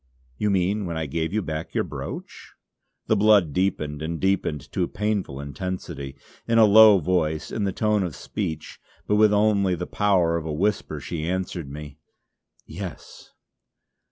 "You mean when I gave you back your brooch?" The blood deepened and deepened to a painful intensity. In a low voice, in the tone of speech, but with only the power of a whisper she answered me: "Yes!"